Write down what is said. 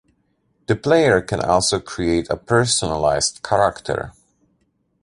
The player can also create a personalized character.